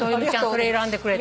それ選んでくれて。